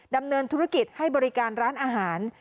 ดำเนินธุรกิจให้บริการร้านอาหาร